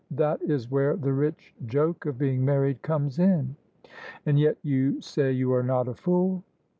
That is where the rich joke of being married comes in !"" And yet you say you are not a fool?